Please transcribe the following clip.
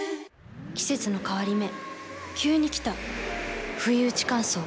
季節の変わり目急に来たふいうち乾燥。